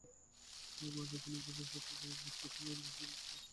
গোয়েন্দা পুলিশ জানায়, স্বামীর মৃত্যুর সময় রেখা আক্তার দুই মাসের অন্তঃসত্ত্বা ছিলেন।